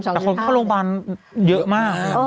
แต่คนเข้าโรงพยาบาลเยอะมาก